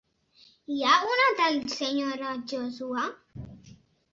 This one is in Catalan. Hi ha una tal senyora Joshua?